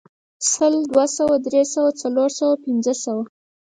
سل، دوه سوه، درې سوه، څلور سوه، پنځه سوه